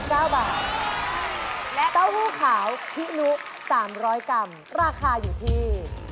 และเต้าหู้ขาวทินุ๓๐๐กรัมราคาอยู่ที่๔๒